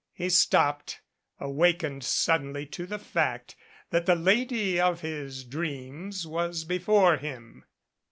He stopped, awakened suddenly to the fact that the lady of his dreams was before him.